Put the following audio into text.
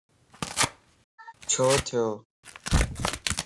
ڇو ٿيو؟